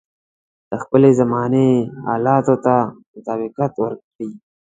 د خپلې زمانې حالاتو ته مطابقت ورکړي.